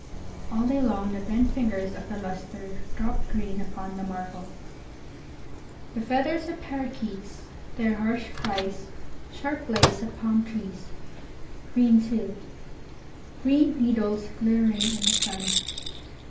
All day long the ten fingers of the lustre drop green upon the marble. The feathers of parakeets—their harsh cries—sharp blades of palm trees—green, too; green needles glittering in the sun.